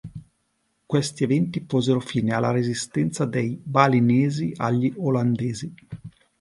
Questi eventi posero fine alla resistenza dei balinesi agli olandesi.